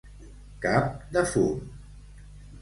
Cap de fum.